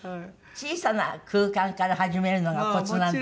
小さな空間から始めるのがコツなんですって？